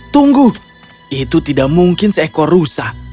tunggu itu tidak mungkin seekor rusa